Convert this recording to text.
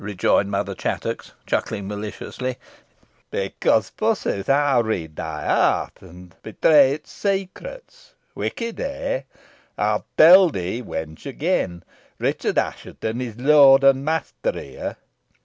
rejoined Mother Chattox, chuckling maliciously, "because, forsooth, I read thy heart, and betray its secrets. Wicked, eh! I tell thee wench again, Richard Assheton is lord and master here.